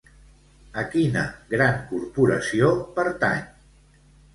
A quina gran corporació pertany?